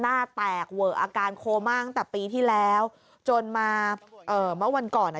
หน้าแตกเวอะอาการโคม่าตั้งแต่ปีที่แล้วจนมาเอ่อเมื่อวันก่อนอ่ะ